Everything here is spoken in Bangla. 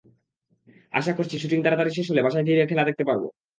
আশা করছি, শুটিং তাড়াতাড়ি শেষ হলে বাসায় ফিরে খেলা দেখতে পারব।